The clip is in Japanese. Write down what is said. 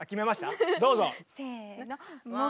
せの。